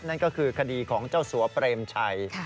นั่นก็คือคดีของเจ้าสัวเปรมชัย